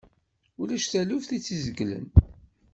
Ulac taluft i t-izegglen.